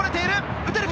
打てるか？